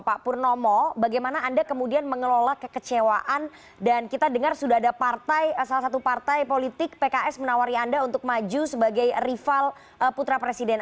pak purnomo bagaimana anda kemudian mengelola kekecewaan dan kita dengar sudah ada partai salah satu partai politik pks menawari anda untuk maju sebagai rival putra presiden